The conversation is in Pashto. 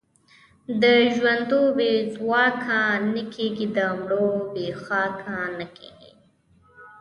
د ژوندو بې ځواکه نه کېږي، د مړو بې خاکه نه کېږي.